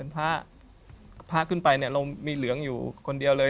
พระขึ้นไปเรามีเหลืองอยู่คนเดียวเลย